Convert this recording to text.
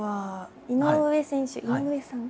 「井上選手」「井上さん」？